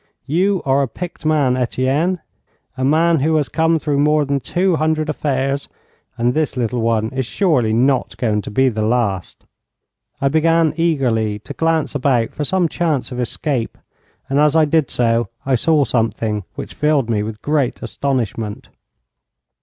You are a picked man, Etienne; a man who has come through more than two hundred affairs, and this little one is surely not going to be the last.' I began eagerly to glance about for some chance of escape, and as I did so I saw something which filled me with great astonishment.